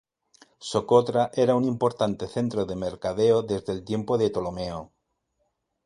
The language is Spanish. Socotra era un importante centro de mercadeo desde el tiempo de Ptolomeo.